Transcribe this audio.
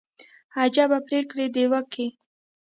عجبه پرېکړي دوى کيي.